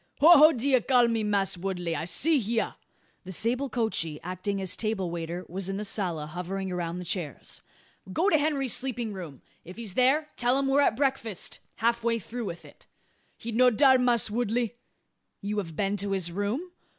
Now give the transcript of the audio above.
"Ho ho! d'ye call me, Mass' Woodley? I'se hya." The sable coachee, acting as table waiter, was in the sala, hovering around the chairs. "Go to Henry's sleeping room. If he's there, tell him we're at breakfast half through with it." "He no dar, Mass' Woodley." "You have been to his room?"